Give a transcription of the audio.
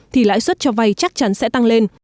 thì lãi suất cho vay chắc chắn sẽ tăng lên